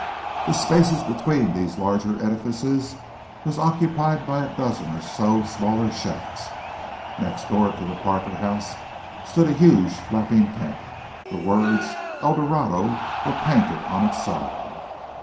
The spaces between these larger edifices was occupied by a dozen or so of smaller shacks. Next door to the Parker House stood a huge flapping tent. The words El Dorado were painted on its side.